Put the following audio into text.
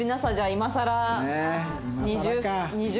今さらか。